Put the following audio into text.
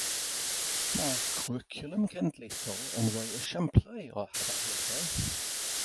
Mae'r cwricwlwm cenedlaethol yn rhoi esiamplau o hafaliadau